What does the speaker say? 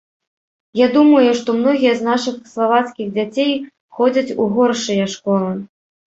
Я думаю, што многія з нашых славацкіх дзяцей ходзяць у горшыя школы.